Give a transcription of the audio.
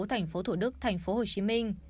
thành phố thủ đức thành phố hồ chí minh